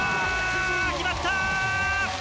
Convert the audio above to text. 決まった！